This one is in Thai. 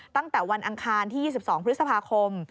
ตั้งแต่วันอังคารที่๒๒พฤษภาคม